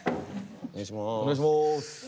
お願いします。